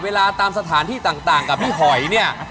เวลาตามสถานที่ต่างกับพี่หอยเนี่ย